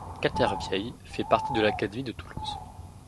Cathervielle fait partie de l'académie de Toulouse.